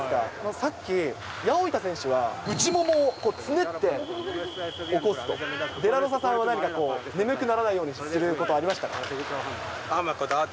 さっき、八百板選手は、内ももをつねって起こすと、デラロサさんは、何か眠くならないようにすることありましたか？